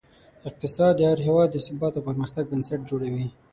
اقتصاد د هر هېواد د ثبات او پرمختګ بنسټ جوړوي.